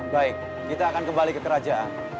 baik kita akan kembali ke kerajaan